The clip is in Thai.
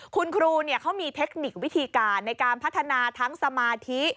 คุณครูเขามีเทคนิควิธีการในการพัฒนาทั้งสมาธิ